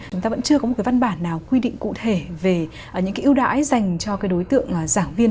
chúng ta vẫn chưa có một văn bản nào quy định cụ thể về những yêu đãi dành cho đối tượng giảng viên